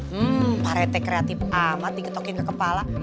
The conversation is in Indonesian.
hmm pak rt kreatif amat digetokin ke kepala